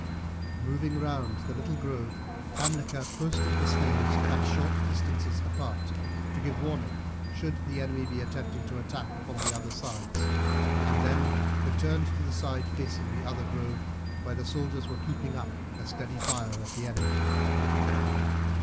Moving round the little grove Hamilcar posted the slaves at short distances apart, to give warning should the enemy be attempting an attack upon the other sides, and then returned to the side facing the other grove, where the soldiers were keeping up a steady fire at the enemy.